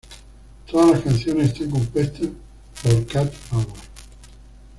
Todas las canciones están compuestas por Cat Power.